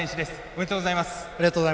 おめでとうございます。